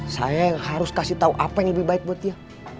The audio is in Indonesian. saya yang harus kasih tahu apa yang lebih baik buat dia